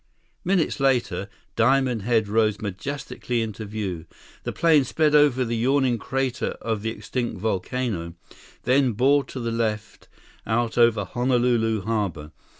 Minutes later, Diamond Head rose majestically into view. The plane sped over the yawning crater of the extinct volcano, then bore to the left out over Honolulu Harbor.